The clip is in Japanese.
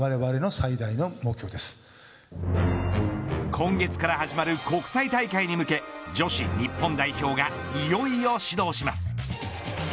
今月から始まる国際大会に向け女子日本代表がいよいよ始動します。